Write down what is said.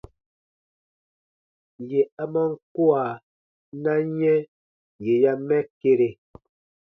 Yè a man kua, na yɛ̃ yè ya mɛ kere.